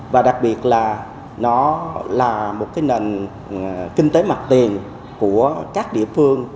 và đặc biệt là nó là một nền kinh tế mặt tiền của các địa phương